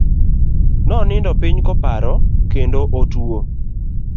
Nonindo piny koparo kendo otuo.